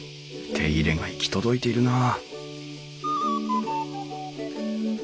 手入れが行き届いているなあ